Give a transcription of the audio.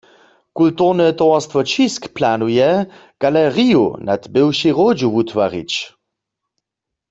Kulturne towarstwo Ćisk planuje, galeriju nad bywšej hródźu wutwarić.